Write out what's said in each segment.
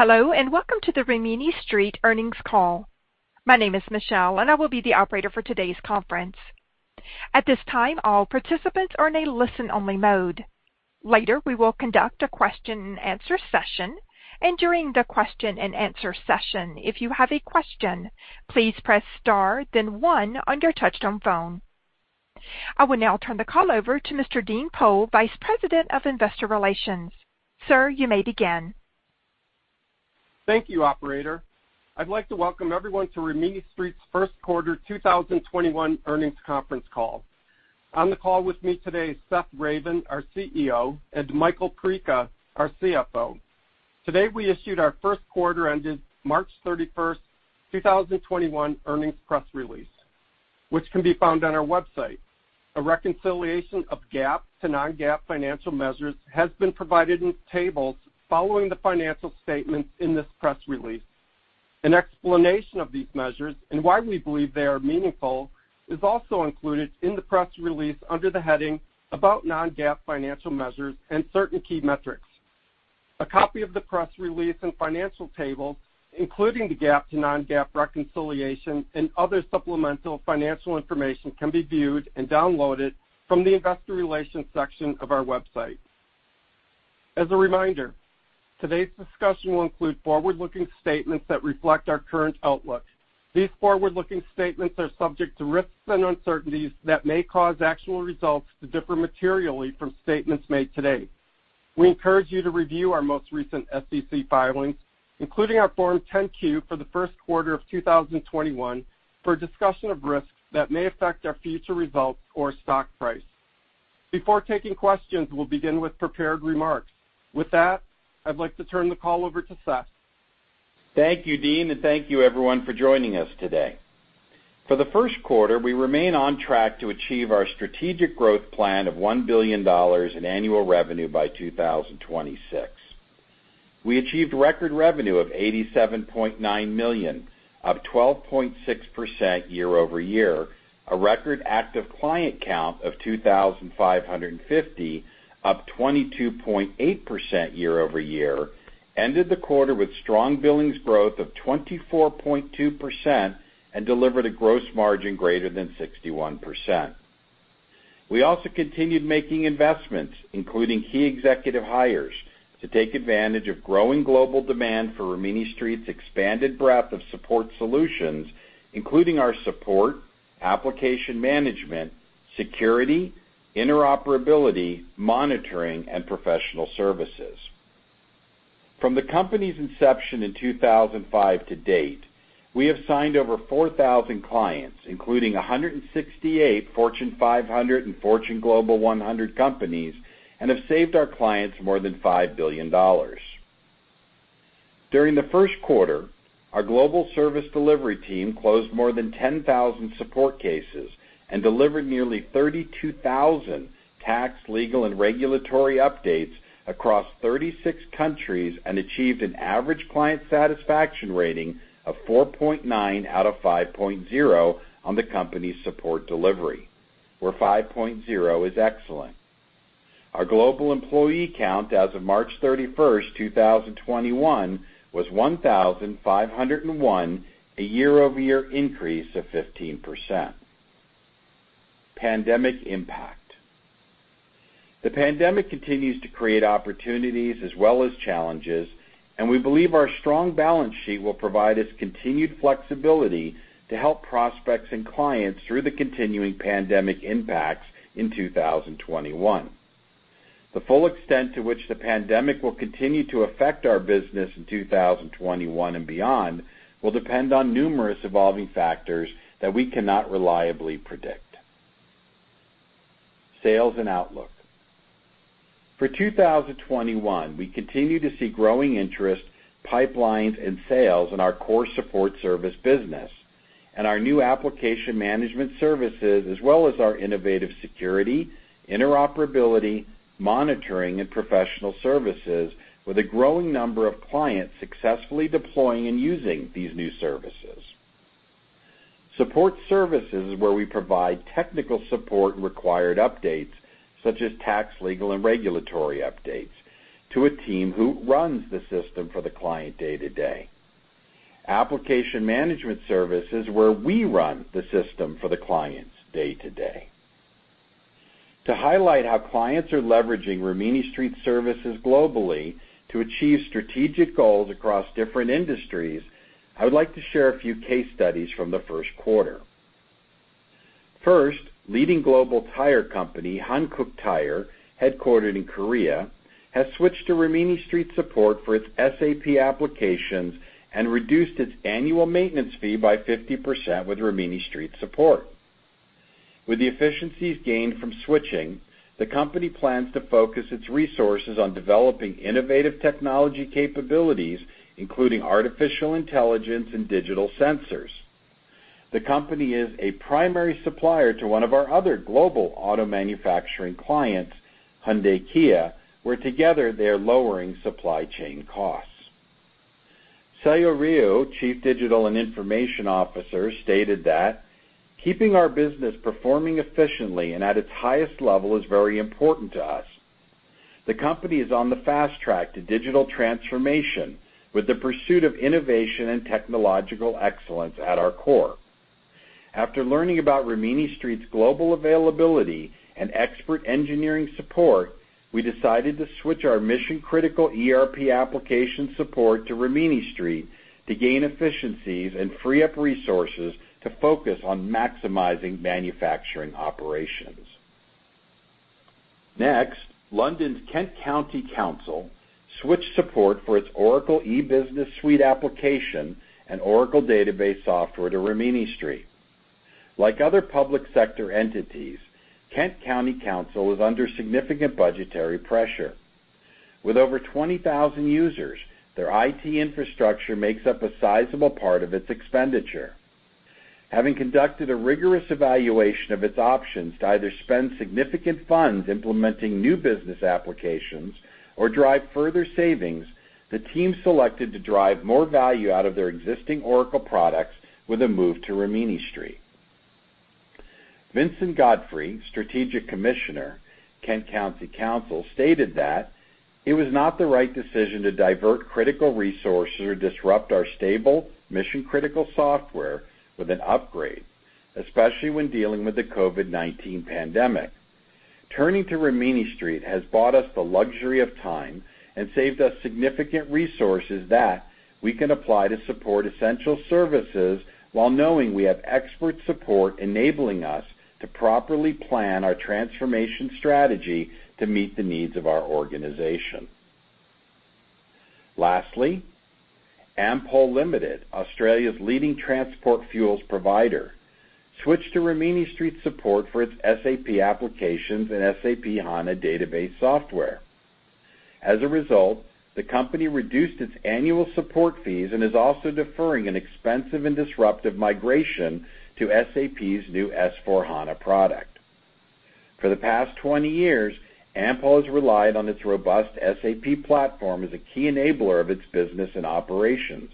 Hello, welcome to the Rimini Street earnings call. My name is Michelle, and I will be the operator for today's conference. At this time, all participants are in a listen-only mode. Later, we will conduct a question and answer session. During the question and answer session, if you have a question, please press star then one on your touchtone phone. I will now turn the call over to Mr. Dean Pohl, Vice President of Investor Relations. Sir, you may begin. Thank you, operator. I'd like to welcome everyone to Rimini Street's first quarter 2021 earnings conference call. On the call with me today is Seth Ravin, our CEO, and Michael L. Perica, our CFO. Today, we issued our first quarter ended March 31st, 2021, earnings press release, which can be found on our website. A reconciliation of GAAP to non-GAAP financial measures has been provided in tables following the financial statements in this press release. An explanation of these measures and why we believe they are meaningful is also included in the press release under the heading About Non-GAAP Financial Measures and Certain Key Metrics. A copy of the press release and financial tables, including the GAAP to non-GAAP reconciliation and other supplemental financial information, can be viewed and downloaded from the investor relations section of our website. As a reminder, today's discussion will include forward-looking statements that reflect our current outlook. These forward-looking statements are subject to risks and uncertainties that may cause actual results to differ materially from statements made today. We encourage you to review our most recent SEC filings, including our Form 10-Q for the first quarter of 2021, for a discussion of risks that may affect our future results or stock price. Before taking questions, we'll begin with prepared remarks. With that, I'd like to turn the call over to Seth. Thank you, Dean, and thank you everyone for joining us today. For the first quarter, we remain on track to achieve our strategic growth plan of $1 billion in annual revenue by 2026. We achieved record revenue of $87.9 million, up 12.6% year-over-year, a record active client count of 2,550, up 22.8% year-over-year, ended the quarter with strong billings growth of 24.2%, and delivered a gross margin greater than 61%. We also continued making investments, including key executive hires, to take advantage of growing global demand for Rimini Street's expanded breadth of support solutions, including our support, application management, security, interoperability, monitoring, and professional services. From the company's inception in 2005 to date, we have signed over 4,000 clients, including 168 Fortune 500 and Fortune Global 100 companies, and have saved our clients more than $5 billion. During the first quarter, our global service delivery team closed more than 10,000 support cases and delivered nearly 32,000 tax, legal, and regulatory updates across 36 countries and achieved an average client satisfaction rating of 4.9 out of 5.0 on the company's support delivery, where 5.0 is excellent. Our global employee count as of March 31st, 2021, was 1,501, a year-over-year increase of 15%. Pandemic impact. The pandemic continues to create opportunities as well as challenges, and we believe our strong balance sheet will provide us continued flexibility to help prospects and clients through the continuing pandemic impacts in 2021. The full extent to which the pandemic will continue to affect our business in 2021 and beyond will depend on numerous evolving factors that we cannot reliably predict. Sales and outlook. For 2021, we continue to see growing interest, pipelines, and sales in our core support service business and our new application management services, as well as our innovative security, interoperability, monitoring, and professional services with a growing number of clients successfully deploying and using these new services. Support services is where we provide technical support and required updates, such as tax, legal, and regulatory updates to a team who runs the system for the client day to day. Application management service is where we run the system for the clients day to day. To highlight how clients are leveraging Rimini Street's services globally to achieve strategic goals across different industries, I would like to share a few case studies from the first quarter. First, leading global tire company, Hankook Tire, headquartered in Korea, has switched to Rimini Street support for its SAP applications and reduced its annual maintenance fee by 50% with Rimini Street support. With the efficiencies gained from switching, the company plans to focus its resources on developing innovative technology capabilities, including artificial intelligence and digital sensors. The company is a primary supplier to one of our other global auto manufacturing clients, Hyundai Kia, where together they are lowering supply chain costs. Seyeol Ryu, Chief Digital and Information Officer, stated that, "Keeping our business performing efficiently and at its highest level is very important to us. The company is on the fast track to digital transformation with the pursuit of innovation and technological excellence at our core. After learning about Rimini Street's global availability and expert engineering support, we decided to switch our mission-critical ERP application support to Rimini Street to gain efficiencies and free up resources to focus on maximizing manufacturing operations. Next, London's Kent County Council switched support for its Oracle E-Business Suite application and Oracle database software to Rimini Street. Like other public sector entities, Kent County Council is under significant budgetary pressure. With over 20,000 users, their IT infrastructure makes up a sizable part of its expenditure. Having conducted a rigorous evaluation of its options to either spend significant funds implementing new business applications or drive further savings, the team selected to drive more value out of their existing Oracle products with a move to Rimini Street. Vincent Godfrey, Strategic Commissioner, Kent County Council, stated that, "It was not the right decision to divert critical resources or disrupt our stable mission-critical software with an upgrade, especially when dealing with the COVID-19 pandemic. Turning to Rimini Street has bought us the luxury of time and saved us significant resources that we can apply to support essential services while knowing we have expert support enabling us to properly plan our transformation strategy to meet the needs of our organization." Lastly, Ampol Limited, Australia's leading transport fuels provider, switched to Rimini Street support for its SAP applications and SAP HANA database software. As a result, the company reduced its annual support fees and is also deferring an expensive and disruptive migration to SAP's new S/4HANA product. For the past 20 years, Ampol has relied on its robust SAP platform as a key enabler of its business and operations.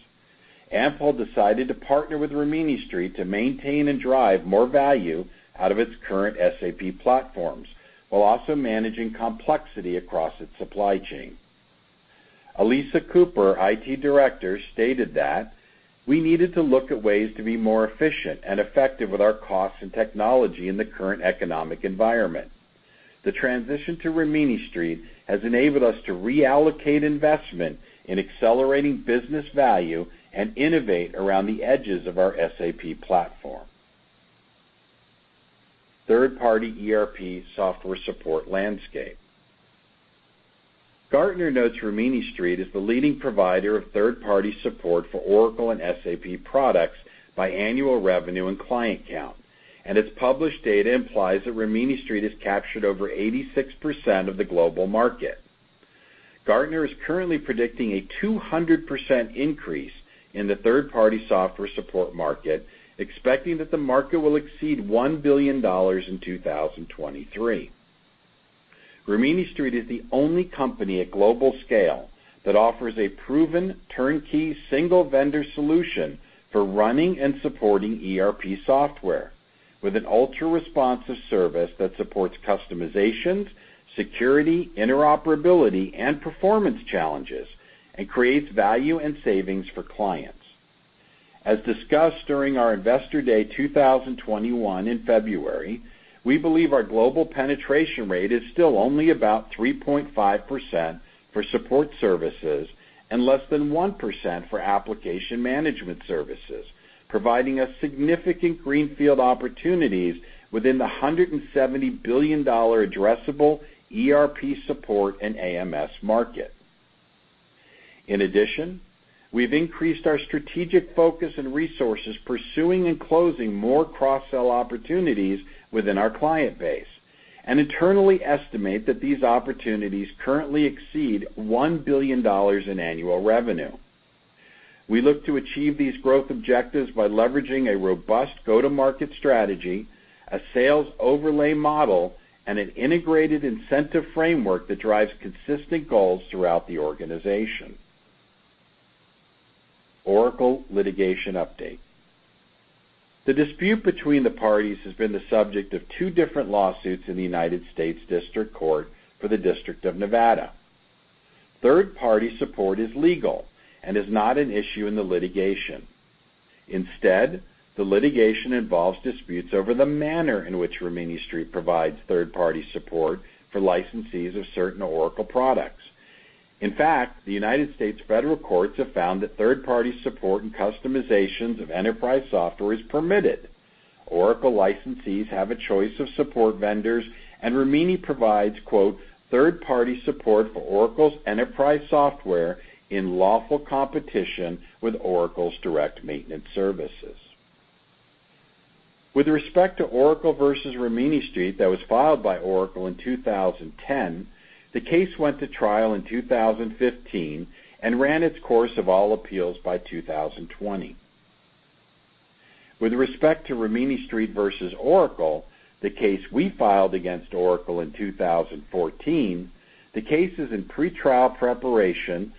Ampol decided to partner with Rimini Street to maintain and drive more value out of its current SAP platforms, while also managing complexity across its supply chain. Elisa Cooper, IT Director, stated that, "We needed to look at ways to be more efficient and effective with our costs and technology in the current economic environment. The transition to Rimini Street has enabled us to reallocate investment in accelerating business value and innovate around the edges of our SAP platform." Third-party ERP software support landscape. Gartner notes Rimini Street is the leading provider of third-party support for Oracle and SAP products by annual revenue and client count, and its published data implies that Rimini Street has captured over 86% of the global market. Gartner is currently predicting a 200% increase in the third-party software support market, expecting that the market will exceed $1 billion in 2023. Rimini Street is the only company at global scale that offers a proven, turnkey, single-vendor solution for running and supporting ERP software with an ultra-responsive service that supports customizations, security, interoperability, and performance challenges and creates value and savings for clients. As discussed during our Investor Day 2021 in February, we believe our global penetration rate is still only about 3.5% for support services and less than 1% for application management services, providing us significant greenfield opportunities within the $170 billion addressable ERP support and AMS market. In addition, we've increased our strategic focus and resources pursuing and closing more cross-sell opportunities within our client base and internally estimate that these opportunities currently exceed $1 billion in annual revenue. We look to achieve these growth objectives by leveraging a robust go-to-market strategy, a sales overlay model, and an integrated incentive framework that drives consistent goals throughout the organization. Oracle litigation update. The dispute between the parties has been the subject of two different lawsuits in the United States District Court for the District of Nevada. Third-party support is legal and is not an issue in the litigation. Instead, the litigation involves disputes over the manner in which Rimini Street provides third-party support for licensees of certain Oracle products. In fact, the United States federal courts have found that third-party support and customizations of enterprise software is permitted. Oracle licensees have a choice of support vendors. Rimini provides, quote, "third-party support for Oracle's enterprise software in lawful competition with Oracle's direct maintenance services." With respect to Oracle versus Rimini Street that was filed by Oracle in 2010, the case went to trial in 2015 and ran its course of all appeals by 2020. With respect to Rimini Street versus Oracle, the case we filed against Oracle in 2014, the case is in pretrial preparation.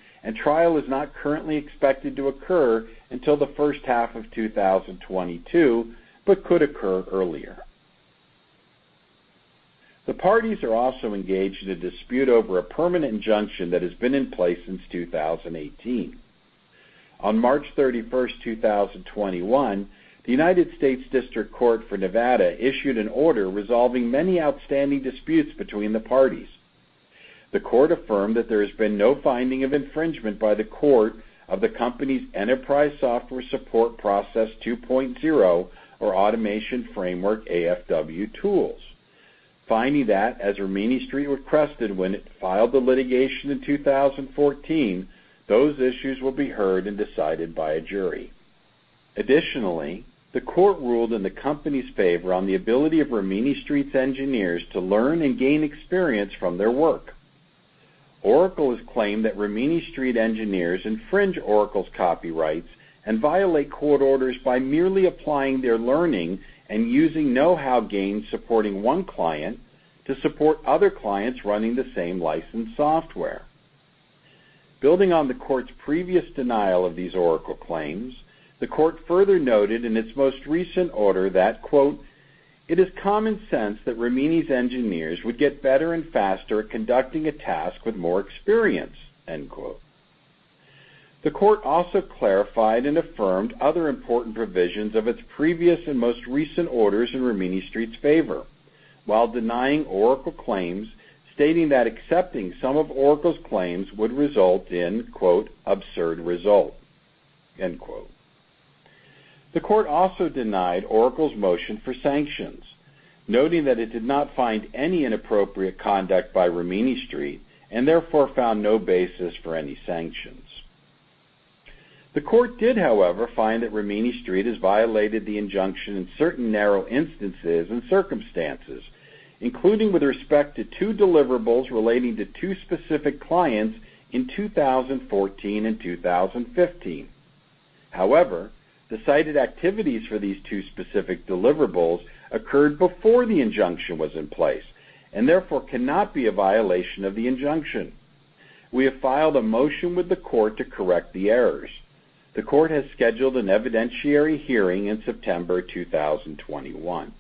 Trial is not currently expected to occur until the first half of 2022, but could occur earlier. The parties are also engaged in a dispute over a permanent injunction that has been in place since 2018. On March 31st, 2021, the United States District Court for the District of Nevada issued an order resolving many outstanding disputes between the parties. The court affirmed that there has been no finding of infringement by the court of the company's enterprise software support Process 2.0 or Automation framework AFW tools, finding that, as Rimini Street requested when it filed the litigation in 2014, those issues will be heard and decided by a jury. Additionally, the court ruled in the company's favor on the ability of Rimini Street's engineers to learn and gain experience from their work. Oracle has claimed that Rimini Street engineers infringe Oracle's copyrights and violate court orders by merely applying their learning and using know-how gained supporting one client to support other clients running the same licensed software. Building on the court's previous denial of these Oracle claims, the court further noted in its most recent order that, quote, "It is common sense that Rimini's engineers would get better and faster at conducting a task with more experience." End quote. The court also clarified and affirmed other important provisions of its previous and most recent orders in Rimini Street's favor, while denying Oracle claims, stating that accepting some of Oracle's claims would result in, quote, "absurd result." End quote. The court also denied Oracle's motion for sanctions, noting that it did not find any inappropriate conduct by Rimini Street, and therefore found no basis for any sanctions. The court did, however, find that Rimini Street has violated the injunction in certain narrow instances and circumstances, including with respect to two deliverables relating to two specific clients in 2014 and 2015. However, the cited activities for these two specific deliverables occurred before the injunction was in place, and therefore cannot be a violation of the injunction. We have filed a motion with the court to correct the errors. The court has scheduled an evidentiary hearing in September 2021.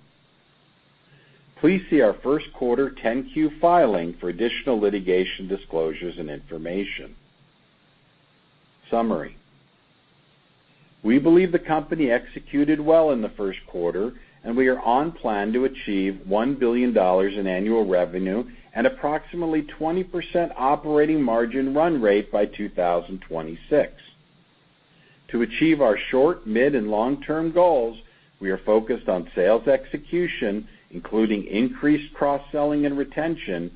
Please see our first quarter 10-Q filing for additional litigation disclosures and information. Summary. We believe the company executed well in the first quarter, and we are on plan to achieve $1 billion in annual revenue and approximately 20% operating margin run rate by 2026. To achieve our short, mid, and long-term goals, we are focused on sales execution, including increased cross-selling and retention,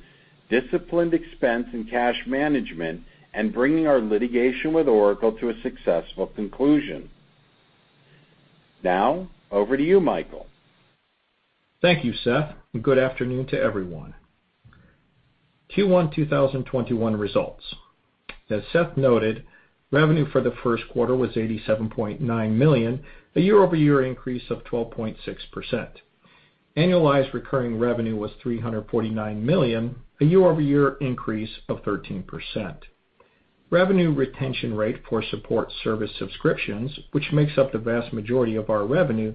disciplined expense and cash management, and bringing our litigation with Oracle to a successful conclusion. Now, over to you, Michael. Thank you, Seth, and good afternoon to everyone. Q1 2021 results. As Seth noted, revenue for the first quarter was $87.9 million, a year-over-year increase of 12.6%. Annualized recurring revenue was $349 million, a year-over-year increase of 13%. Revenue retention rate for support service subscriptions, which makes up the vast majority of our revenue,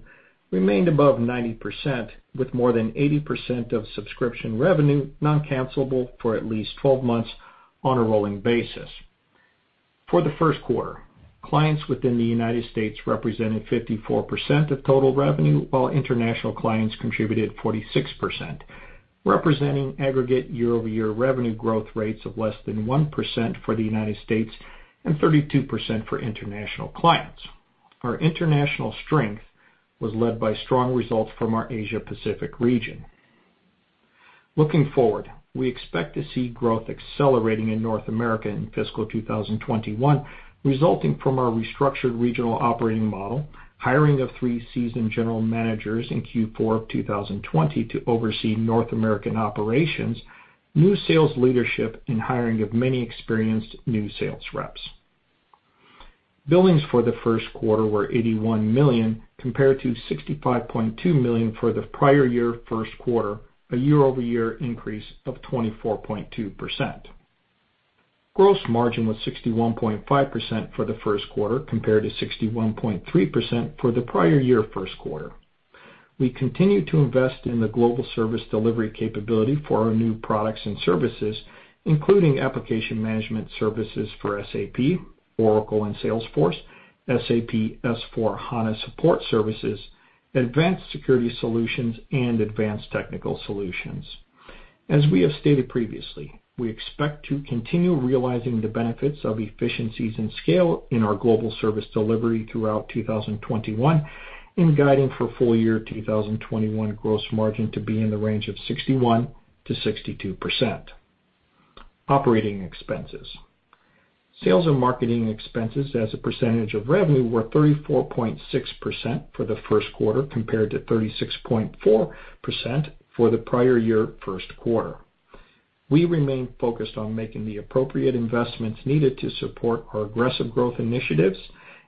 remained above 90%, with more than 80% of subscription revenue non-cancellable for at least 12 months on a rolling basis. For the first quarter, clients within the United States represented 54% of total revenue, while international clients contributed 46%, representing aggregate year-over-year revenue growth rates of less than 1% for the United States and 32% for international clients. Our international strength was led by strong results from our Asia-Pacific region. Looking forward, we expect to see growth accelerating in North America in fiscal 2021, resulting from our restructured regional operating model, hiring of three seasoned general managers in Q4 of 2020 to oversee North American operations, new sales leadership, and hiring of many experienced new sales reps. Billings for the first quarter were $81 million, compared to $65.2 million for the prior year first quarter, a year-over-year increase of 24.2%. Gross margin was 61.5% for the first quarter, compared to 61.3% for the prior year first quarter. We continue to invest in the global service delivery capability for our new products and services, including application management services for SAP, Oracle and Salesforce, SAP S/4HANA support services, advanced security solutions, and advanced technical solutions. As we have stated previously, we expect to continue realizing the benefits of efficiencies and scale in our global service delivery throughout 2021 and guiding for full year 2021 gross margin to be in the range of 61%-62%. Operating expenses. Sales and marketing expenses as a percentage of revenue were 34.6% for the first quarter, compared to 36.4% for the prior year first quarter. We remain focused on making the appropriate investments needed to support our aggressive growth initiatives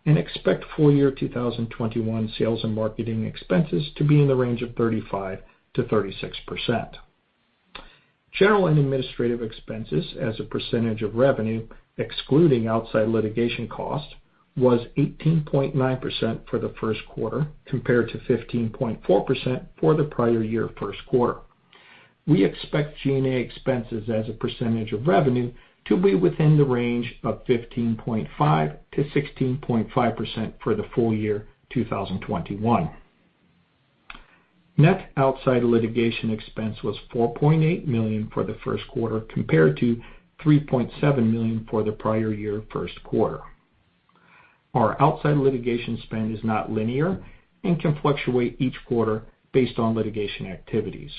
and expect full year 2021 sales and marketing expenses to be in the range of 35%-36%. General and administrative expenses as a percentage of revenue, excluding outside litigation cost, was 18.9% for the first quarter, compared to 15.4% for the prior year first quarter. We expect G&A expenses as a percentage of revenue to be within the range of 15.5%-16.5% for the full year 2021. Net outside litigation expense was $4.8 million for the first quarter, compared to $3.7 million for the prior year first quarter. Our outside litigation spend is not linear and can fluctuate each quarter based on litigation activities.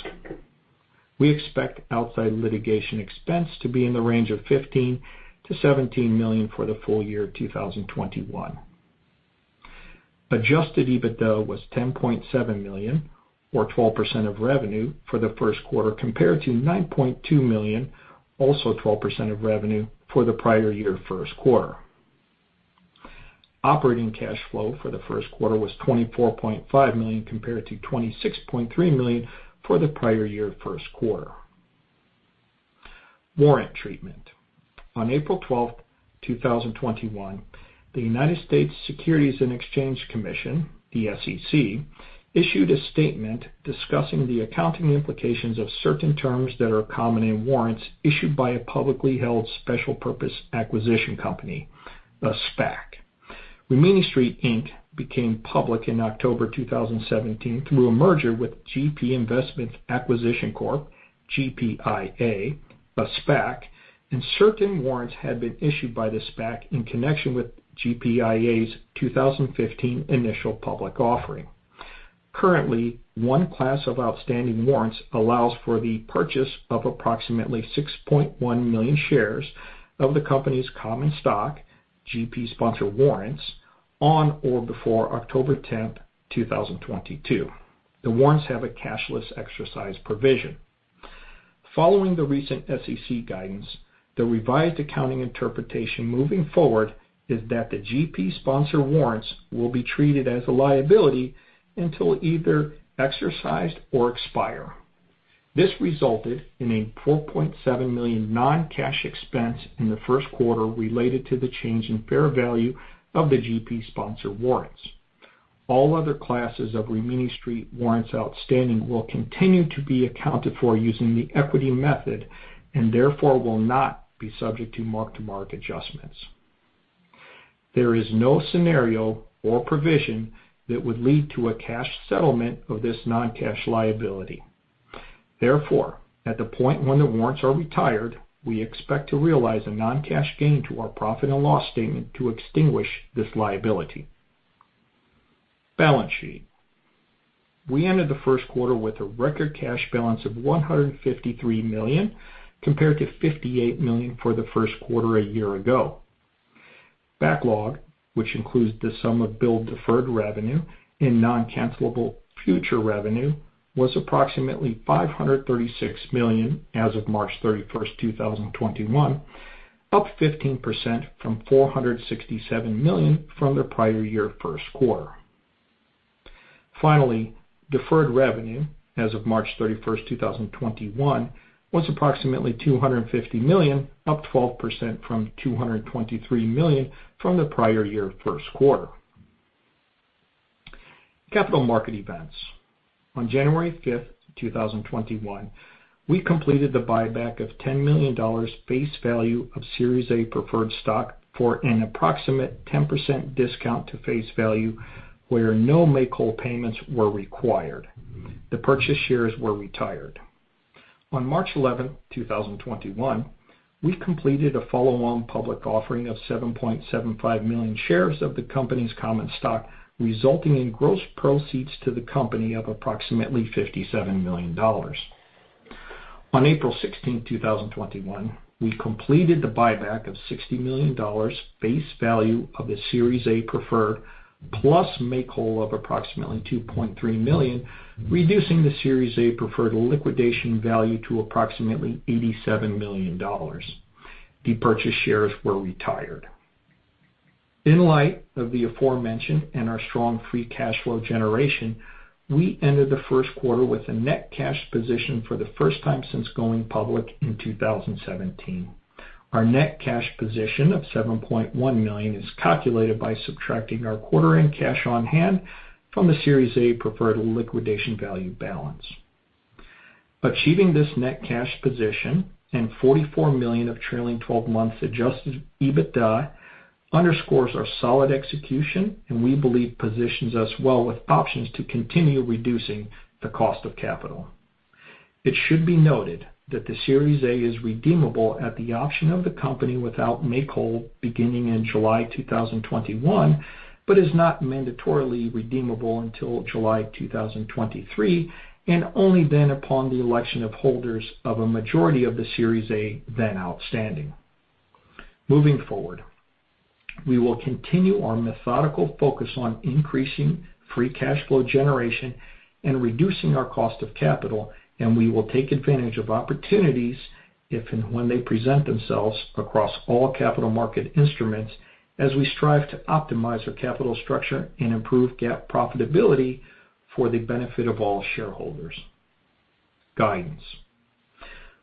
We expect outside litigation expense to be in the range of $15 million-$17 million for the full year 2021. Adjusted EBITDA was $10.7 million, or 12% of revenue, for the first quarter, compared to $9.2 million, also 12% of revenue, for the prior year first quarter. Operating cash flow for the first quarter was $24.5 million, compared to $26.3 million for the prior year first quarter. Warrant treatment. On April 12th, 2021, the United States Securities and Exchange Commission, the SEC, issued a statement discussing the accounting implications of certain terms that are common in warrants issued by a publicly held special purpose acquisition company, a SPAC. Rimini Street, Inc. became public in October 2017 through a merger with GP Investments Acquisition Corp., GPIA, a SPAC, and certain warrants had been issued by the SPAC in connection with GPIA's 2015 initial public offering. Currently, one class of outstanding warrants allows for the purchase of approximately 6.1 million shares of the company's common stock, GP-sponsored warrants, on or before October 10th, 2022. The warrants have a cashless exercise provision. Following the recent SEC guidance, the revised accounting interpretation moving forward is that the GP sponsor warrants will be treated as a liability until either exercised or expire. This resulted in a $4.7 million non-cash expense in the first quarter related to the change in fair value of the GP sponsor warrants. All other classes of Rimini Street warrants outstanding will continue to be accounted for using the equity method and therefore will not be subject to mark-to-market adjustments. There is no scenario or provision that would lead to a cash settlement of this non-cash liability. At the point when the warrants are retired, we expect to realize a non-cash gain to our profit and loss statement to extinguish this liability. Balance sheet. We ended the first quarter with a record cash balance of $153 million, compared to $58 million for the first quarter a year ago. Backlog, which includes the sum of billed deferred revenue and non-cancelable future revenue, was approximately $536 million as of March 31st, 2021, up 15% from $467 million from the prior year first quarter. Deferred revenue as of March 31st, 2021, was approximately $250 million, up 12% from $223 million from the prior year first quarter. Capital market events. On January 5th, 2021, we completed the buyback of $10 million face value of Series A preferred stock for an approximate 10% discount to face value, where no make whole payments were required. The purchase shares were retired. On March 11th, 2021, we completed a follow-on public offering of 7.75 million shares of the company's common stock, resulting in gross proceeds to the company of approximately $57 million. On April 16th, 2021, we completed the buyback of $60 million face value of the Series A preferred, plus make whole of approximately $2.3 million, reducing the Series A preferred liquidation value to approximately $87 million. The purchase shares were retired. In light of the aforementioned and our strong free cash flow generation, we ended the first quarter with a net cash position for the first time since going public in 2017. Our net cash position of $7.1 million is calculated by subtracting our quarter-end cash on hand from the Series A preferred liquidation value balance. Achieving this net cash position and $44 million of trailing 12-month Adjusted EBITDA underscores our solid execution and we believe positions us well with options to continue reducing the cost of capital. It should be noted that the Series A is redeemable at the option of the company without make whole beginning in July 2021, but is not mandatorily redeemable until July 2023, and only then upon the election of holders of a majority of the Series A then outstanding. Moving forward, we will continue our methodical focus on increasing free cash flow generation and reducing our cost of capital, and we will take advantage of opportunities, if and when they present themselves, across all capital market instruments as we strive to optimize our capital structure and improve GAAP profitability for the benefit of all shareholders. Guidance.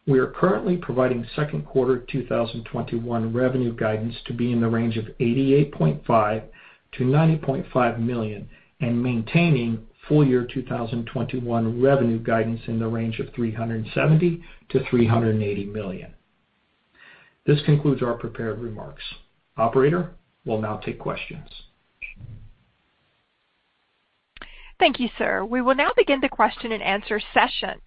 We are currently providing second quarter 2021 revenue guidance to be in the range of $88.5 million-$90.5 million and maintaining full year 2021 revenue guidance in the range of $370 million-$380 million. This concludes our prepared remarks. Operator, we will now take questions. Thank you, sir. We will now begin the question and answer session.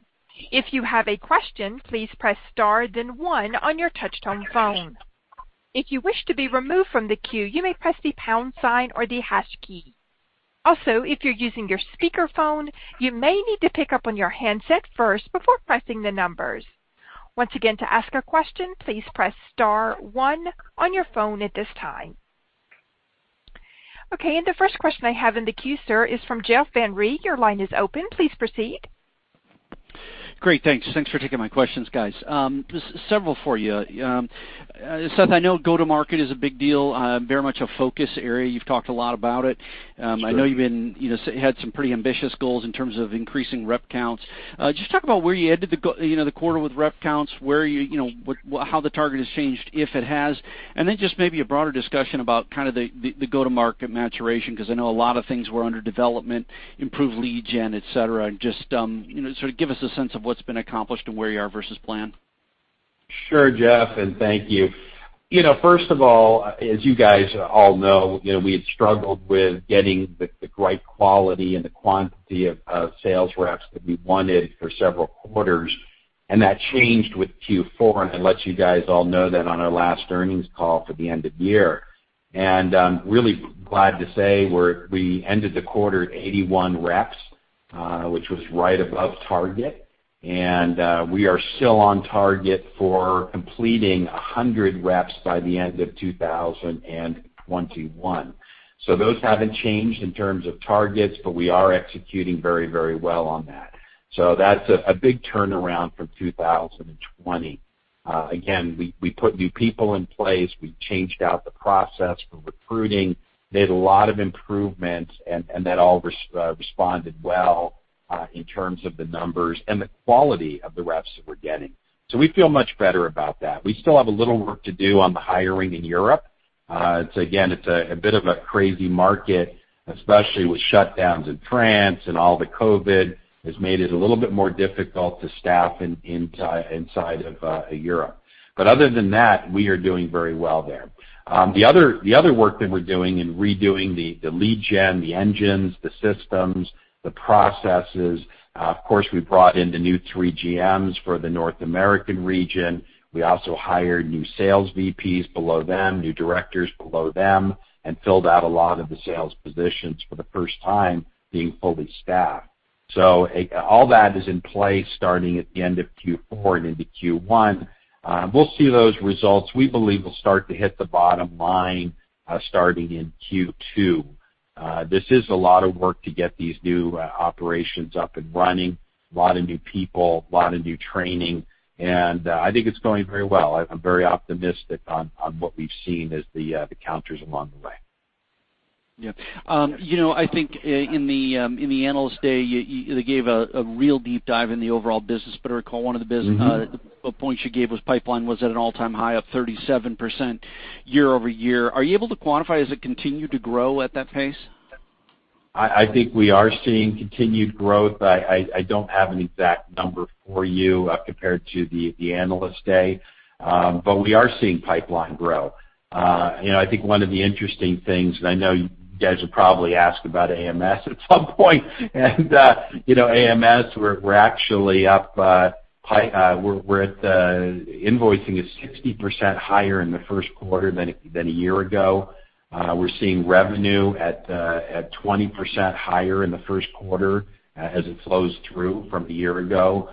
Okay, the first question I have in the queue, sir, is from Jeff Van Rhee. Your line is open. Please proceed. Great. Thanks. Thanks for taking my questions, guys. Just several for you. Seth, I know go-to-market is a big deal, very much a focus area. You've talked a lot about it. Sure. I know you've had some pretty ambitious goals in terms of increasing rep counts. Just talk about where you ended the quarter with rep counts, how the target has changed, if it has, and then just maybe a broader discussion about kind of the go-to-market maturation, because I know a lot of things were under development, improved lead gen, et cetera. Just sort of give us a sense of what's been accomplished and where you are versus plan. Sure, Jeff, and thank you. First of all, as you guys all know, we had struggled with getting the right quality and the quantity of sales reps that we wanted for several quarters, and that changed with Q4. I let you guys all know that on our last earnings call for the end of the year. I'm really glad to say we ended the quarter at 81 reps, which was right above target. We are still on target for completing 100 reps by the end of 2021. Those haven't changed in terms of targets, but we are executing very well on that. That's a big turnaround from 2020. Again, we put new people in place. We changed out the process for recruiting, made a lot of improvements, and that all responded well in terms of the numbers and the quality of the reps that we're getting. We feel much better about that. We still have a little work to do on the hiring in Europe. It's, again, it's a bit of a crazy market, especially with shutdowns in France and all the COVID has made it a little bit more difficult to staff inside of Europe. Other than that, we are doing very well there. The other work that we're doing in redoing the lead gen, the engines, the systems, the processes. Of course, we brought in the new three GMs for the North American region. We also hired new sales VPs below them, new directors below them, and filled out a lot of the sales positions for the first time being fully staffed. All that is in place starting at the end of Q4 and into Q1. We'll see those results, we believe, will start to hit the bottom line starting in Q2. This is a lot of work to get these new operations up and running, a lot of new people, a lot of new training, and I think it's going very well. I'm very optimistic on what we've seen as the counters along the way. Yeah. I think in the Analyst Day, they gave a real deep dive in the overall business, but I recall one of the business. -points you gave was pipeline was at an all-time high of 37% year-over-year. Are you able to quantify, has it continued to grow at that pace? I think we are seeing continued growth. I don't have an exact number for you compared to the Analyst Day. We are seeing pipeline grow. I think one of the interesting things, and I know you guys will probably ask about AMS at some point and AMS, we're at invoicing is 60% higher in the first quarter than a year ago. We're seeing revenue at 20% higher in the first quarter as it flows through from a year ago.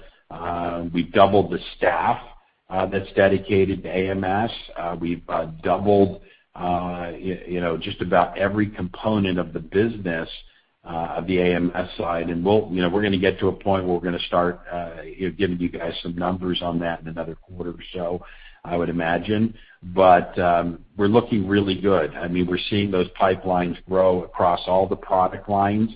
We doubled the staff that's dedicated to AMS. We've doubled just about every component of the business of the AMS side. We're going to get to a point where we're going to start giving you guys some numbers on that in another quarter or so, I would imagine. We're looking really good. We're seeing those pipelines grow across all the product lines.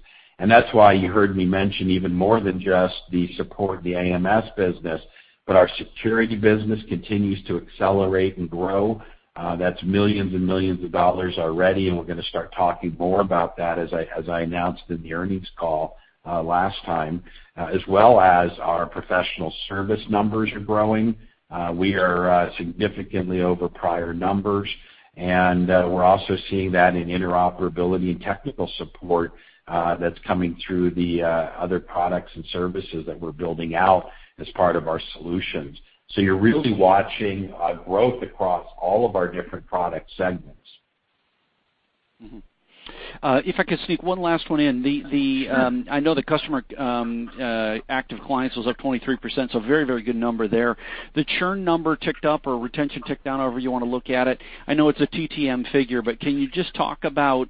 That's why you heard me mention even more than just the support of the AMS business. Our security business continues to accelerate and grow. That's millions and millions of dollars already. We're going to start talking more about that as I announced in the earnings call last time, as well as our professional service numbers are growing. We are significantly over prior numbers. We're also seeing that in interoperability and technical support that's coming through the other products and services that we're building out as part of our solutions. You're really watching a growth across all of our different product segments. If I could sneak one last one in. Sure. I know the customer active clients was up 23%, so a very good number there. The churn number ticked up or retention ticked down, however you want to look at it. I know it's a TTM figure, but can you just talk about,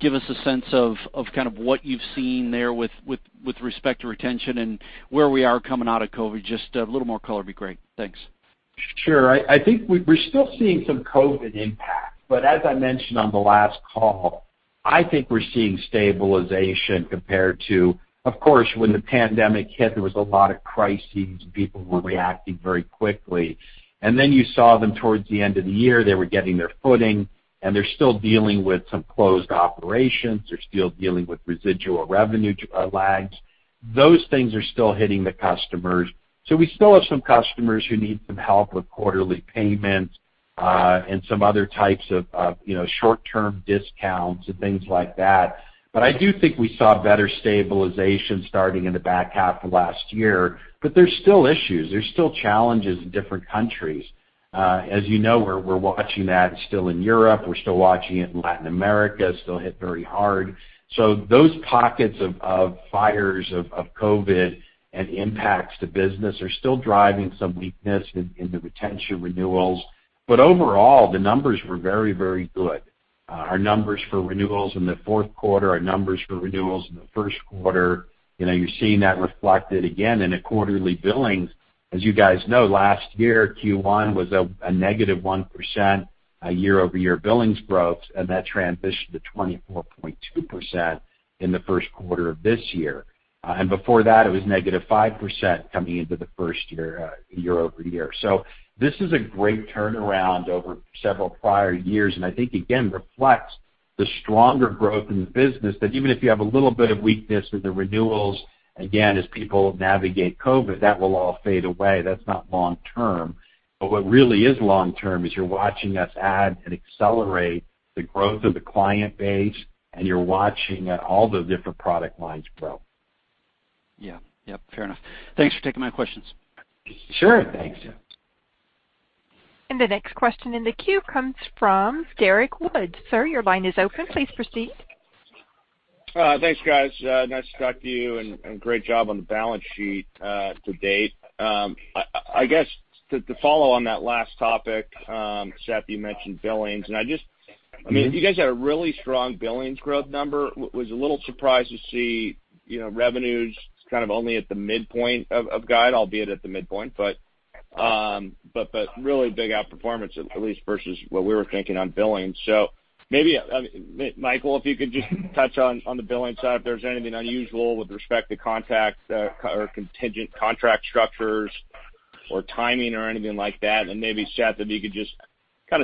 give us a sense of what you've seen there with respect to retention and where we are coming out of COVID? Just a little more color would be great. Thanks. Sure. I think we're still seeing some COVID impact. As I mentioned on the last call, I think we're seeing stabilization compared to, of course, when the pandemic hit, there was a lot of crises and people were reacting very quickly. You saw them towards the end of the year, they were getting their footing, and they're still dealing with some closed operations. They're still dealing with residual revenue lags. Those things are still hitting the customers. We still have some customers who need some help with quarterly payments, and some other types of short-term discounts and things like that. I do think we saw better stabilization starting in the back half of last year. There's still issues. There's still challenges in different countries. As you know, we're watching that still in Europe, we're still watching it in Latin America, still hit very hard. Those pockets of fires of COVID and impacts to business are still driving some weakness in the retention renewals. Overall, the numbers were very good. Our numbers for renewals in the fourth quarter, our numbers for renewals in the first quarter, you're seeing that reflected again in the quarterly billings. As you guys know, last year, Q1 was a -1% year-over-year billings growth, and that transitioned to 24.2% in the first quarter of this year. Before that, it was -5% coming into the first year-over-year. This is a great turnaround over several prior years, and I think, again, reflects the stronger growth in the business, that even if you have a little bit of weakness with the renewals, again, as people navigate COVID, that will all fade away. That's not long-term. What really is long-term is you're watching us add and accelerate the growth of the client base, and you're watching all those different product lines grow. Yeah. Fair enough. Thanks for taking my questions. Sure thing. The next question in the queue comes from J. Derrick Wood. Sir, your line is open. Please proceed. Thanks, guys. Nice to talk to you, and great job on the balance sheet to date. I guess to follow on that last topic, Seth, you mentioned billings. You guys had a really strong billings growth number. Was a little surprised to see revenues kind of only at the midpoint of guide, albeit at the midpoint, but really big outperformance at least versus what we were thinking on billings. Maybe, Michael, if you could just touch on the billings side, if there's anything unusual with respect to contract or contingent contract structures or timing or anything like that. Maybe, Seth, if you could just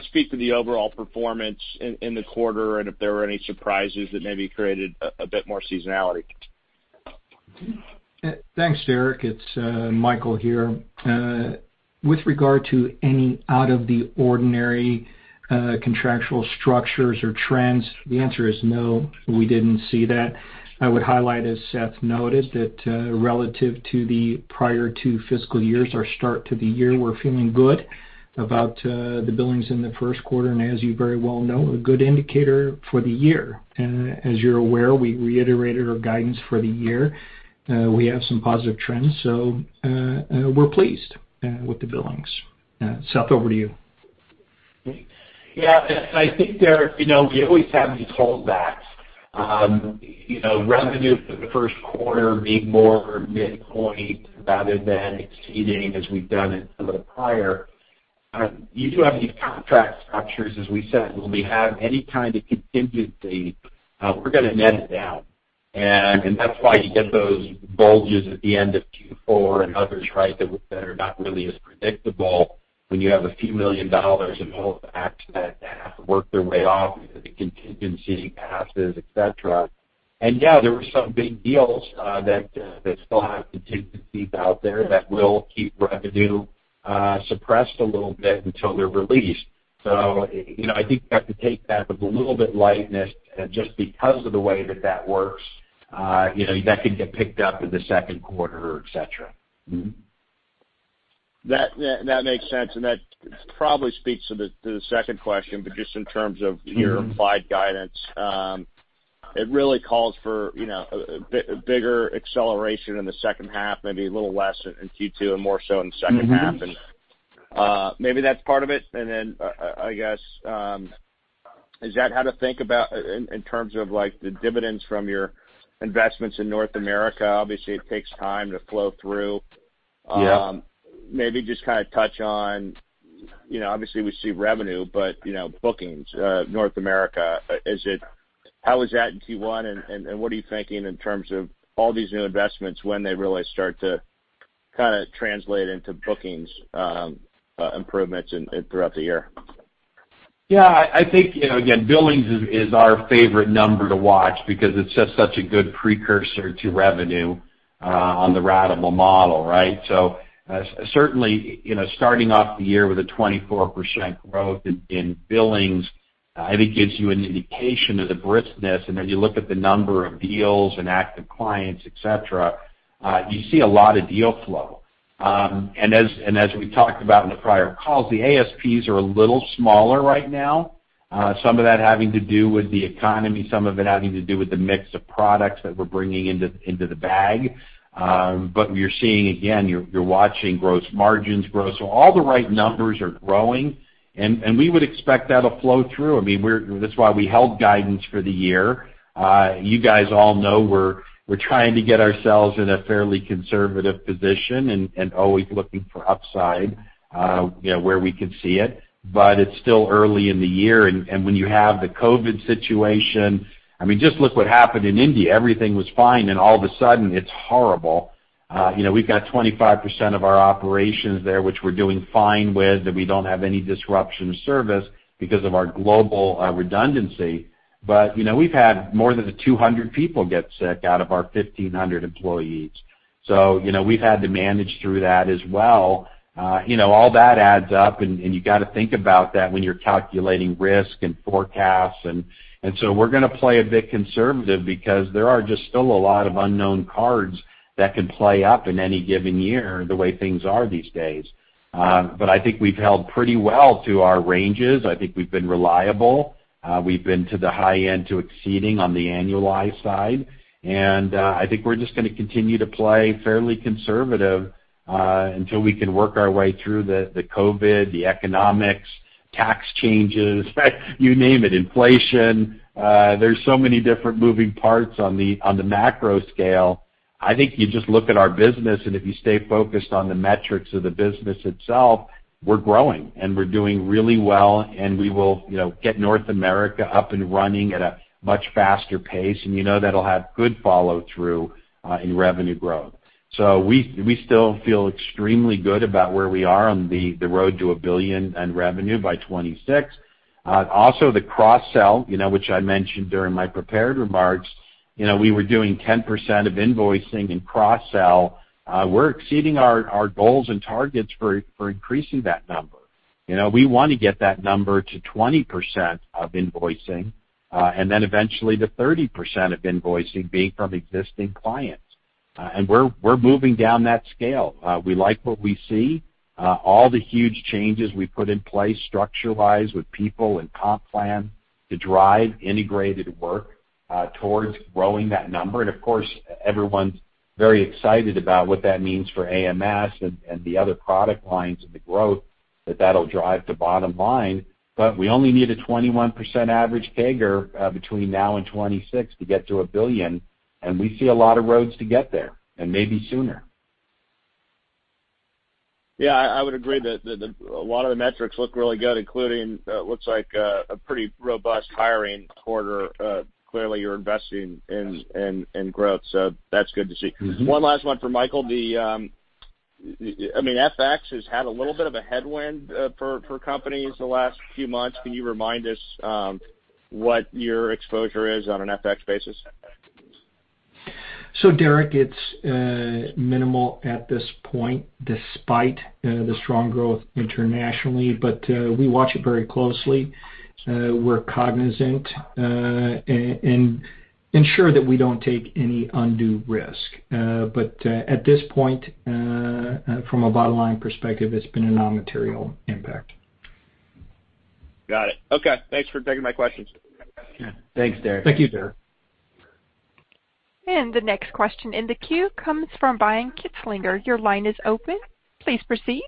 speak to the overall performance in the quarter and if there were any surprises that maybe created a bit more seasonality. Thanks, J. Derrick. It's Michael here. With regard to any out of the ordinary contractual structures or trends, the answer is no, we didn't see that. I would highlight, as Seth noted, that relative to the prior two fiscal years or start to the year, we're feeling good about the billings in the first quarter, and as you very well know, a good indicator for the year. As you're aware, we reiterated our guidance for the year. We have some positive trends, so we're pleased with the billings. Seth, over to you. Yeah. I think there, we always have these pullbacks. Revenue for the first quarter being more midpoint rather than exceeding as we've done in the prior. You do have these contract structures, as we said, when we have any kind of contingency, we're going to net it out. That's why you get those bulges at the end of Q4 and others, right, that are not really as predictable when you have a few million dollars in all the acts that have to work their way off of the contingency assets, et cetera. Yeah, there were some big deals that still have contingencies out there that will keep revenue suppressed a little bit until they're released. I think you have to take that with a little bit lightness, just because of the way that that works. That could get picked up in the second quarter, et cetera. Mm-hmm. That makes sense, and that probably speaks to the second question, but just in terms of your applied guidance. It really calls for a bigger acceleration in the second half, maybe a little less in Q2 and more so in the second half. Maybe that's part of it. I guess, is that how to think about in terms of the dividends from your investments in North America? Obviously, it takes time to flow through. Yep. Maybe just touch on, obviously we see revenue, but bookings, North America. How is that in Q1, and what are you thinking in terms of all these new investments, when they really start to translate into bookings improvements throughout the year? Yeah, I think, again, billings is our favorite number to watch because it's just such a good precursor to revenue on the ratable model, right? Certainly, starting off the year with a 24% growth in billings, I think gives you an indication of the briskness. When you look at the number of deals and active clients, et cetera, you see a lot of deal flow. As we talked about in the prior calls, the ASPs are a little smaller right now. Some of that having to do with the economy, some of it having to do with the mix of products that we're bringing into the bag. You're seeing again, you're watching gross margins grow. All the right numbers are growing, and we would expect that'll flow through. That's why we held guidance for the year. You guys all know we're trying to get ourselves in a fairly conservative position and always looking for upside where we can see it. It's still early in the year, and when you have the COVID-19 situation, just look what happened in India. Everything was fine and all of a sudden it's horrible. We've got 25% of our operations there, which we're doing fine with, that we don't have any disruption of service because of our global redundancy. We've had more than 200 people get sick out of our 1,500 employees. We've had to manage through that as well. All that adds up, and you got to think about that when you're calculating risk and forecasts. We're going to play a bit conservative because there are just still a lot of unknown cards that can play up in any given year, the way things are these days. I think we've held pretty well to our ranges. I think we've been reliable. We've been to the high end to exceeding on the annualized side. I think we're just going to continue to play fairly conservative, until we can work our way through the COVID-19, the economics, tax changes, you name it, inflation. There's so many different moving parts on the macro scale. I think you just look at our business, and if you stay focused on the metrics of the business itself, we're growing, and we're doing really well, and we will get North America up and running at a much faster pace. You know that'll have good follow-through in revenue growth. We still feel extremely good about where we are on the road to $1 billion in revenue by 2026. Also, the cross-sell, which I mentioned during my prepared remarks. We were doing 10% of invoicing in cross-sell. We're exceeding our goals and targets for increasing that number. We want to get that number to 20% of invoicing, and then eventually to 30% of invoicing being from existing clients. We're moving down that scale. We like what we see. All the huge changes we put in place structure-wise with people and comp plan to drive integrated work towards growing that number. Of course, everyone's very excited about what that means for AMS and the other product lines and the growth that that'll drive to bottom line. We only need a 21% average CAGR between now and 2026 to get to $1 billion, and we see a lot of roads to get there, and maybe sooner. Yeah, I would agree that a lot of the metrics look really good, including what looks like a pretty robust hiring quarter. Clearly, you're investing in growth, so that's good to see. One last one for Michael. FX has had a little bit of a headwind for companies the last few months. Can you remind us what your exposure is on an FX basis? J. Derrick Wood, it's minimal at this point, despite the strong growth internationally. We watch it very closely. We're cognizant, and ensure that we don't take any undue risk. At this point, from a bottom-line perspective, it's been a non-material impact. Got it. Okay. Thanks for taking my questions. Yeah. Thanks, J. Derrick Wood. Thank you, Derrick. The next question in the queue comes from Brian Kinstlinger. Your line is open. Please proceed.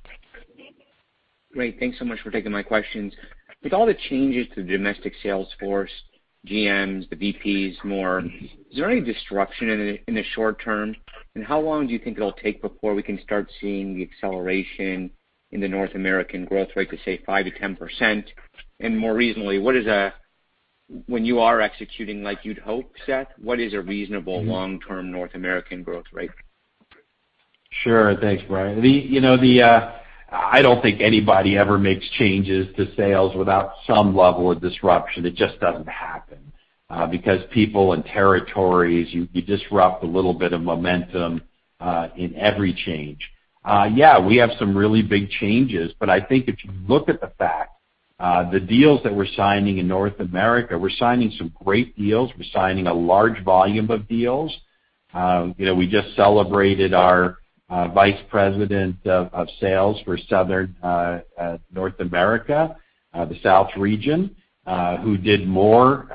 Great. Thanks so much for taking my questions. With all the changes to the domestic sales force, GMs, the VPs more, is there any disruption in the short term? How long do you think it'll take before we can start seeing the acceleration in the North American growth rate to, say, 5%-10%? More reasonably, when you are executing like you'd hope, Seth, what is a reasonable long-term North American growth rate? Sure. Thanks, Brian. I don't think anybody ever makes changes to sales without some level of disruption. It just doesn't happen. People and territories, you disrupt a little bit of momentum in every change. Yeah, we have some really big changes. I think if you look at the facts, the deals that we're signing in North America, we're signing some great deals. We're signing a large volume of deals. We just celebrated our vice president of sales for Southern North America, the South region, who did more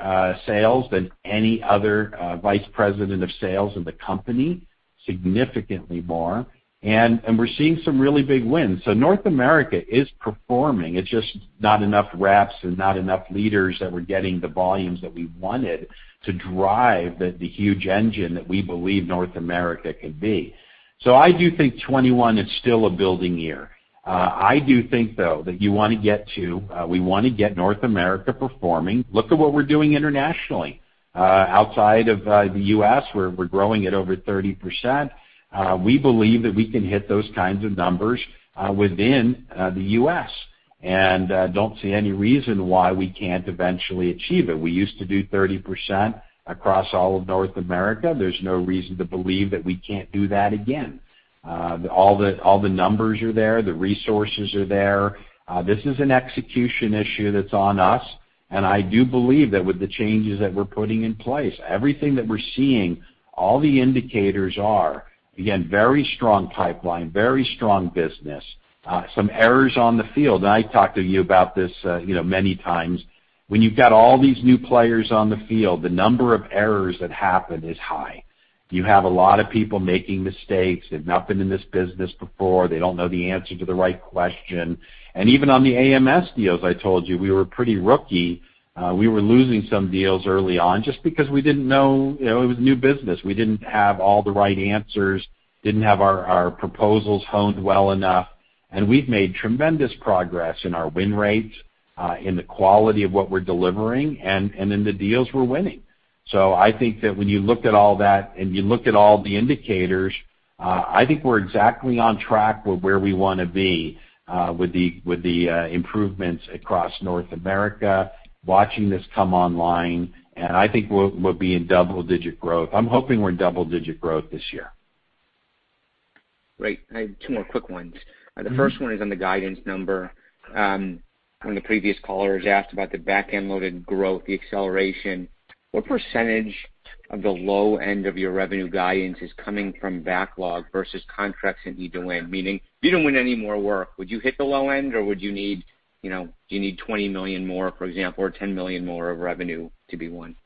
sales than any other vice president of sales in the company, significantly more. We're seeing some really big wins. North America is performing. It's just not enough reps and not enough leaders that we're getting the volumes that we wanted to drive the huge engine that we believe North America could be. I do think 2021 is still a building year. We want to get North America performing. Look at what we're doing internationally. Outside of the U.S., we're growing at over 30%. We believe that we can hit those kinds of numbers within the U.S. And I don't see any reason why we can't eventually achieve it. We used to do 30% across all of North America. There's no reason to believe that we can't do that again. All the numbers are there, the resources are there. This is an execution issue that's on us, and I do believe that with the changes that we're putting in place, everything that we're seeing, all the indicators are, again, very strong pipeline, very strong business, some errors on the field. I talked to you about this many times. When you've got all these new players on the field, the number of errors that happen is high. You have a lot of people making mistakes. They've not been in this business before. They don't know the answer to the right question. Even on the AMS deals, I told you, we were pretty rookie. We were losing some deals early on just because it was new business. We didn't have all the right answers, didn't have our proposals honed well enough. We've made tremendous progress in our win rates, in the quality of what we're delivering, and in the deals we're winning. I think that when you looked at all that and you looked at all the indicators, I think we're exactly on track with where we want to be, with the improvements across North America, watching this come online. I think we'll be in double-digit growth. I'm hoping we're in double-digit growth this year. Great. I have two more quick ones. The first one is on the guidance number. One of the previous callers asked about the back-end-loaded growth, the acceleration. What percentage of the low end of your revenue guidance is coming from backlog versus contracts that you do win? Meaning, if you don't win any more work, would you hit the low end or would you need $20 million more, for example, or $10 million more of revenue to be won?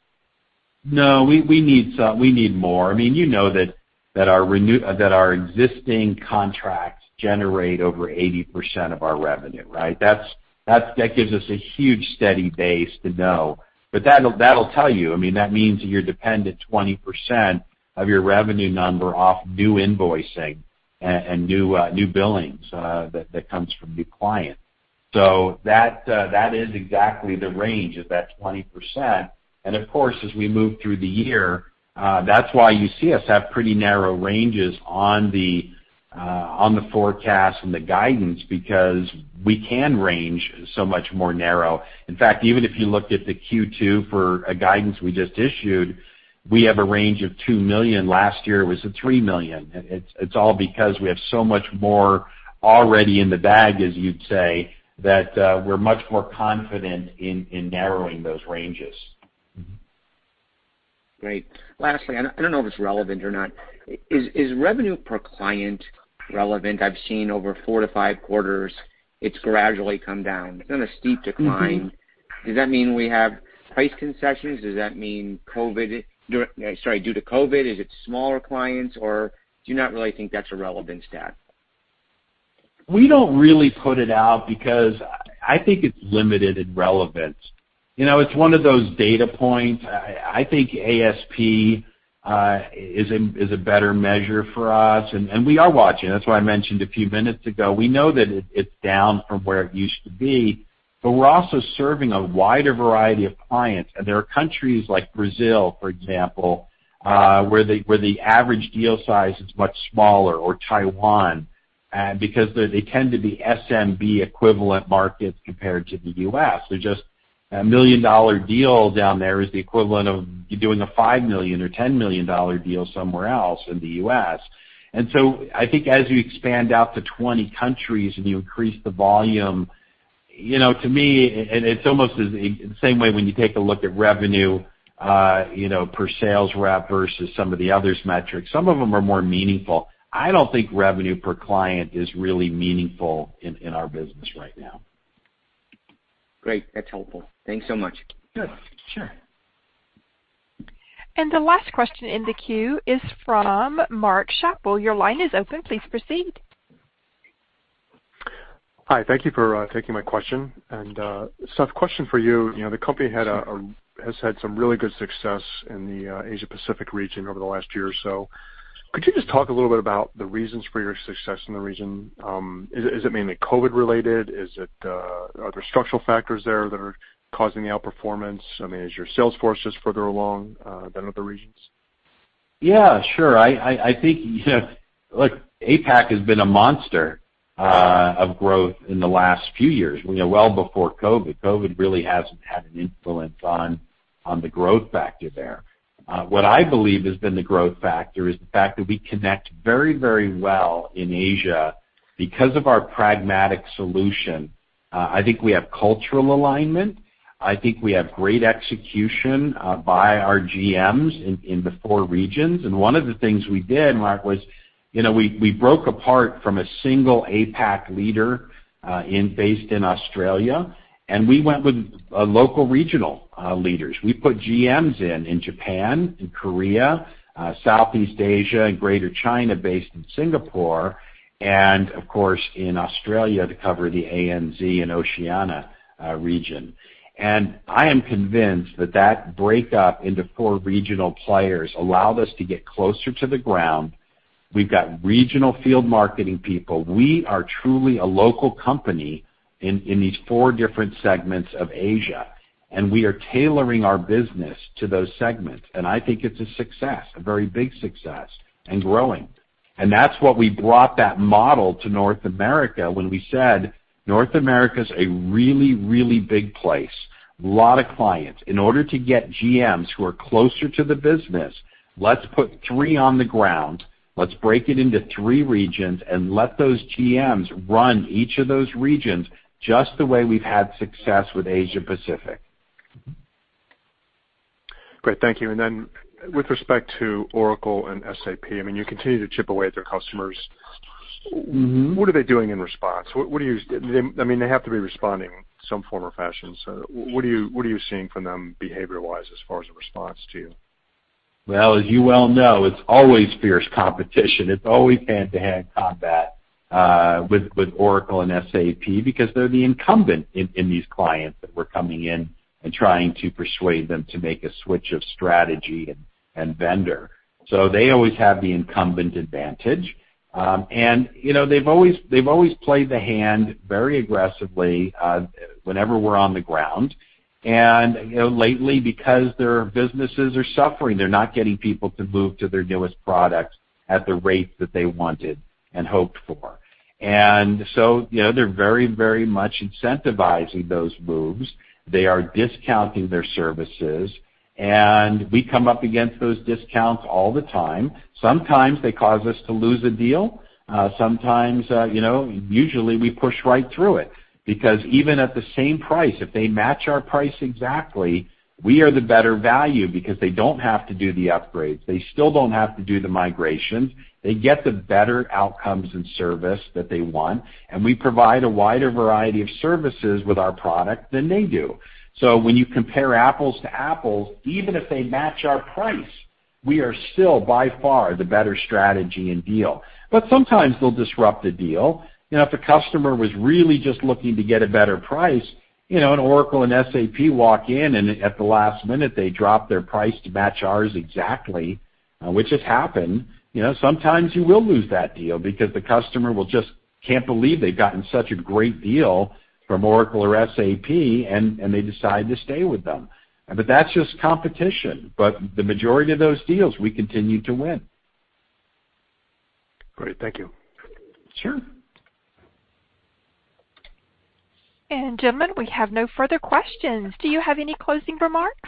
No, we need more. You know that our existing contracts generate over 80% of our revenue, right? That gives us a huge, steady base to know. That'll tell you. That means that you're dependent 20% of your revenue number off new invoicing and new billings that comes from new clients. That is exactly the range of that 20%. And of course, as we move through the year, that's why you see us have pretty narrow ranges on the forecast and the guidance because we can range so much more narrow. In fact, even if you looked at the Q2 forward guidance we just issued, we have a range of $2 million. Last year it was at $3 million. It's all because we have so much more already in the bag, as you'd say, that we're much more confident in narrowing those ranges. Great. Lastly, I don't know if it's relevant or not. Is revenue per client relevant? I've seen over four to five quarters, it's gradually come down. It's been a steep decline. Does that mean we have price concessions? Does that mean due to COVID? Is it smaller clients, or do you not really think that's a relevant stat? We don't really put it out because I think it's limited in relevance. It's one of those data points. I think ASP is a better measure for us, and we are watching. That's why I mentioned a few minutes ago, we know that it's down from where it used to be, but we're also serving a wider variety of clients. There are countries like Brazil, for example, where the average deal size is much smaller, or Taiwan, because they tend to be SMB-equivalent markets compared to the U.S. Just a $1 million deal down there is the equivalent of doing a $5 million or $10 million deal somewhere else in the U.S. I think as you expand out to 20 countries and you increase the volume, to me, it's almost the same way when you take a look at revenue per sales rep versus some of the others metrics. Some of them are more meaningful. I don't think revenue per client is really meaningful in our business right now. Great. That is helpful. Thanks so much. Good. Sure. The last question in the queue is from Mark Schappel. Your line is open. Please proceed. Hi. Thank you for taking my question. Seth, question for you. The company has had some really good success in the Asia-Pacific region over the last year or so. Could you just talk a little bit about the reasons for your success in the region? Is it mainly COVID related? Are there structural factors there that are causing the outperformance? Is your sales force just further along than other regions? Yeah, sure. I think APAC has been a monster of growth in the last few years. Well before COVID. COVID really hasn't had an influence on the growth factor there. What I believe has been the growth factor is the fact that we connect very well in Asia because of our pragmatic solution. I think we have cultural alignment. I think we have great execution by our GMs in the four regions. One of the things we did, Mark, was we broke apart from a single APAC leader based in Australia, and we went with local regional leaders. We put GMs in Japan and Korea, Southeast Asia, and Greater China based in Singapore. Of course, in Australia to cover the ANZ and Oceania region. I am convinced that that breakup into four regional players allowed us to get closer to the ground. We've got regional field marketing people. We are truly a local company in these four different segments of Asia, and we are tailoring our business to those segments, and I think it's a success, a very big success, and growing. That's what we brought that model to North America when we said, North America is a really, really big place. A lot of clients. In order to get GMs who are closer to the business, let's put three on the ground. Let's break it into three regions and let those GMs run each of those regions just the way we've had success with Asia Pacific. Great. Thank you. With respect to Oracle and SAP, you continue to chip away at their customers. What are they doing in response? They have to be responding in some form or fashion. What are you seeing from them behavior-wise as far as a response to you? Well, as you well know, it's always fierce competition. It's always hand-to-hand combat with Oracle and SAP because they're the incumbent in these clients that we're coming in and trying to persuade them to make a switch of strategy and vendor. They always have the incumbent advantage. They've always played the hand very aggressively whenever we're on the ground. Lately, because their businesses are suffering, they're not getting people to move to their newest products at the rate that they wanted and hoped for. They're very much incentivizing those moves. They are discounting their services, and we come up against those discounts all the time. Sometimes they cause us to lose a deal. Sometimes, usually we push right through it, because even at the same price, if they match our price exactly, we are the better value because they don't have to do the upgrades. They still don't have to do the migrations. They get the better outcomes and service that they want, and we provide a wider variety of services with our product than they do. When you compare apples to apples, even if they match our price, we are still by far the better strategy and deal. Sometimes they'll disrupt a deal. If a customer was really just looking to get a better price, and Oracle and SAP walk in, and at the last minute, they drop their price to match ours exactly, which has happened. Sometimes you will lose that deal because the customer just can't believe they've gotten such a great deal from Oracle or SAP, and they decide to stay with them. That's just competition. The majority of those deals, we continue to win. Great. Thank you. Sure. Gentlemen, we have no further questions. Do you have any closing remarks?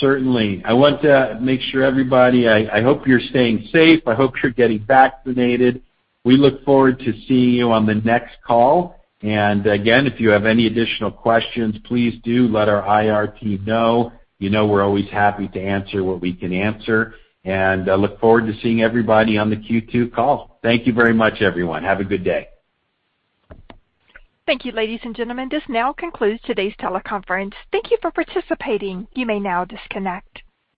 Certainly. I want to make sure everybody, I hope you're staying safe. I hope you're getting vaccinated. We look forward to seeing you on the next call. Again, if you have any additional questions, please do let our IR team know. You know we're always happy to answer what we can answer, and I look forward to seeing everybody on the Q2 call. Thank you very much, everyone. Have a good day. Thank you, ladies and gentlemen. This now concludes today's teleconference. Thank you for participating. You may now disconnect.